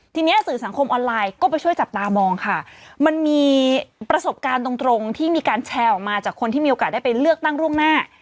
ทีนี้สื่อสังคมออนไลน์ก็ไปช่วยจับตามองค่ะมันมีประสบการณ์ตรงตรงที่มีการแชร์ออกมาจากคนที่มีโอกาสได้ไปเลือกตั้งล่วงหน้า